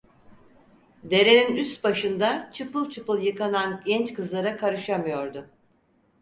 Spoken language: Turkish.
Derenin üst başında çıpıl çıpıl yıkanan genç kızlara karışamıyordu.